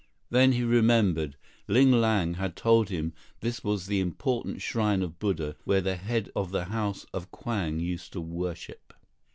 Then he remembered. Ling Tang had told him this was the important shrine of Buddha where the head of the House of Kwang used to worship.